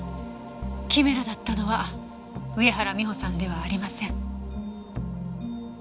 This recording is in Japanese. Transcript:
キメラだったのは上原美帆さんではありません。